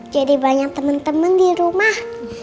jadi banyak temen temen di rumah